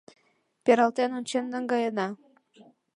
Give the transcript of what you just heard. Пералтен ончен наҥгаена.